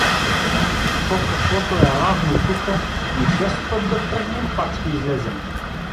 То каквото е равно тука, и без път да тръгнем, пак ще излезем.